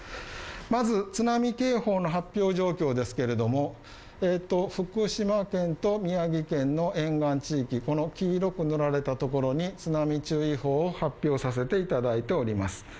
まず、津波警報の発表状況ですけれども福島県と宮城県の沿岸地域この黄色く塗られたところに津波注意報を発表させていただいております。